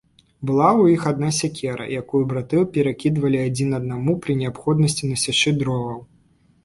Была ў іх адна сякера, якую браты перакідвалі адзін аднаму пры неабходнасці насячы дроваў.